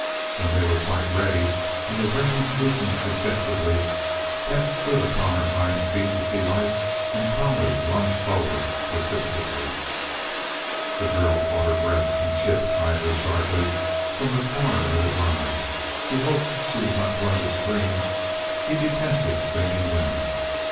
When they were quite ready and the reins loosened suggestively, Pet stood upon her hind feet with delight and Polly lunged forward precipitately. The girl caught her breath, and Chip eyed her sharply from the corner of his eye. He hoped she was not going to scream he detested screaming women.